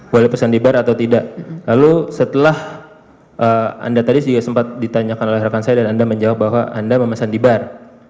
boleh pesan di bar atau tidak lalu setelah anda tadi juga sempat ditanyakan oleh rekan saya dan anda menjawab bahwa anda memesan di bar